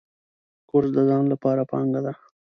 کورس د ځان لپاره پانګه ده.